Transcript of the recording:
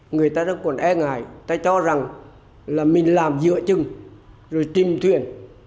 người ta nó còn e ngại ta cho rằng là mình làm dựa chừng rồi tìm thuyền